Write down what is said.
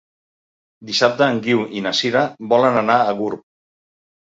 Dissabte en Guiu i na Sira volen anar a Gurb.